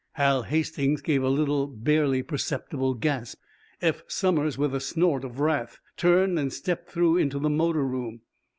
Hal Hastings gave a little, barely perceptible gasp. Eph Somers, with a snort of wrath, turned and stepped through into the motor room.